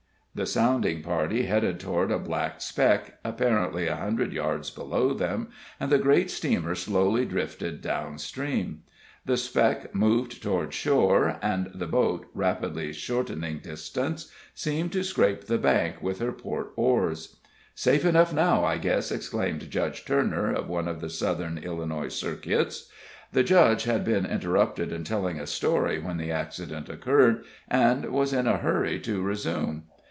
The sounding party headed toward a black speck, apparently a hundred yards below them, and the great steamer slowly drifted down stream. The speck moved toward shore, and the boat, rapidly shortening distance, seemed to scrape the bank with her port oars. "Safe enough now, I guess!" exclaimed Judge Turner, of one of the Southern Illinois circuits. The Judge had been interrupted in telling a story when the accident occurred, and was in a hurry to resume.